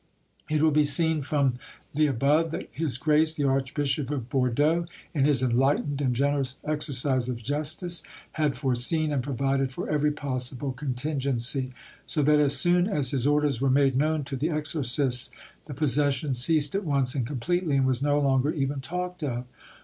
It will be seen from the above that His Grace the Archbishop of Bordeaux, in his enlightened and generous exercise of justice, had foreseen and provided for every possible contingency; so that as soon as his orders were made known to the exorcists the possession ceased at once and completely, and was no longer even talked of.